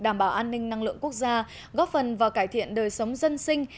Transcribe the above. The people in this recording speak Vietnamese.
đảm bảo an ninh năng lượng quốc gia góp phần vào cải thiện đời sống dân sinh